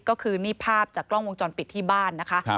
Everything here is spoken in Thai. ก็คือนี่ภาพจากกล้องวงจรปิดที่บ้านนะคะ